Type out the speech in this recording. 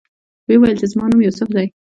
ویې ویل چې زما نوم یوسف دی.